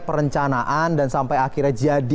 perencanaan dan sampai akhirnya jadi